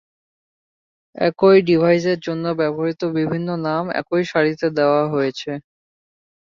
একই ডিভাইসের জন্য ব্যবহৃত বিভিন্ন নাম একই সারিতে দেয়া হয়েছে।